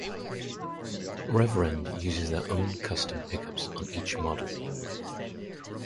Reverend uses their own custom pickups on each model.